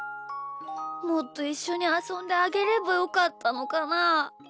もっといっしょにあそんであげればよかったのかな？